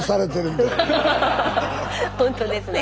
ほんとですね。